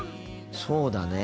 そうだね。